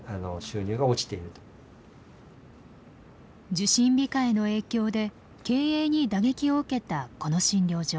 受診控えの影響で経営に打撃を受けたこの診療所。